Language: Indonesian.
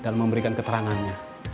dan memberikan keterangannya